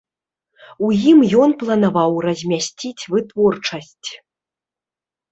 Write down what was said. У ім ён планаваў размясціць вытворчасць.